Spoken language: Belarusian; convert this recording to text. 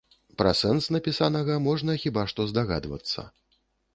Пра сэнс напісанага можна хіба што здагадвацца.